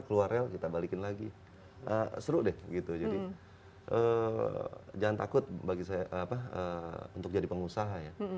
keluar rel kita balikin lagi seru deh gitu jadi jangan takut bagi saya apa untuk jadi pengusaha ya